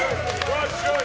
わっしょい！